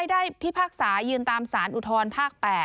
พิพากษายืนตามสารอุทธรภาค๘